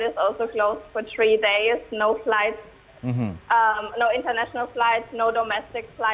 tidak ada pesawat internasional tidak ada pesawat domestik lagi